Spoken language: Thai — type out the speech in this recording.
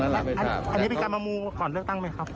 อันนี้เป็นการมามูก่อนเลือกตั้งไหมครับ